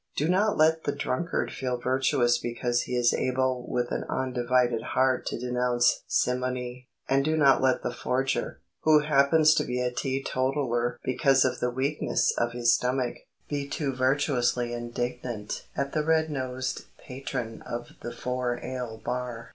Do not let the drunkard feel virtuous because he is able with an undivided heart to denounce simony, and do not let the forger, who happens to be a teetotaller because of the weakness of his stomach, be too virtuously indignant at the red nosed patron of the four ale bar.